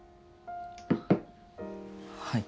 はい。